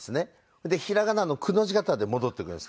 それで平仮名の「く」の字形で戻ってくるんですけど。